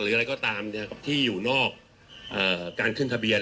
หรืออะไรก็ตามเนี่ยครับที่อยู่นอกอ่าการขึ้นทะเบียน